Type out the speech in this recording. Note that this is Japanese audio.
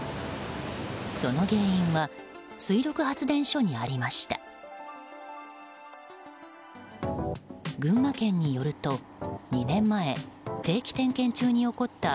その原因は水力発電所にありました。